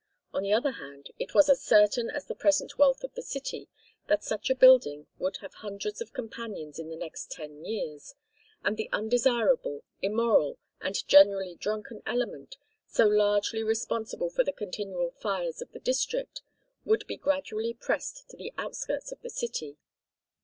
On the other hand it was as certain as the present wealth of the city, that such a building would have hundreds of companions in the next ten years, and the undesirable, immoral, and generally drunken element, so largely responsible for the continual fires of the district, would be gradually pressed to the outskirts of the city.